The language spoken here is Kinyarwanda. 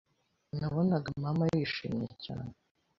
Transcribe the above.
Nabonaga Mama yishimye cyane